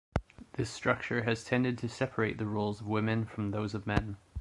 This structure has tended to separate the roles of women from those of men.